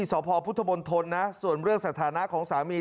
สพทนส่วนเรื่องสถานะของสามี